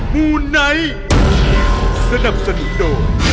มูไนท์สนับสนุนโดย